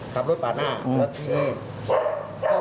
ก็ยังไม่ให้เพื่อน